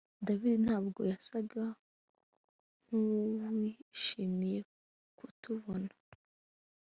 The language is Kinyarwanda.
David ntabwo yasaga nkuwishimiye kutubona